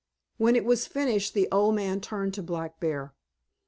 When it was finished the old man turned to Black Bear.